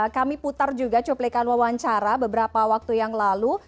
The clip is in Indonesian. kami putar juga cuplikan wawancara beberapa waktu yang lalu